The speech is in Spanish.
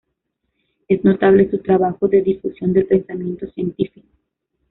Es notable su trabajo de difusión del pensamiento científico.